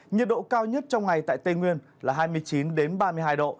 nhiệt độ cao nhất trong ngày tại tây nguyên là hai mươi chín ba mươi hai độ